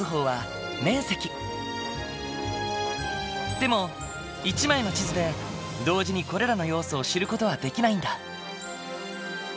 でも１枚の地図で同時にこれらの要素を知る事はできないんだ。